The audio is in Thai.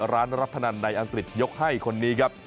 รับพนันในอังกฤษยกให้คนนี้ครับ